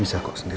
bisa kok sendiri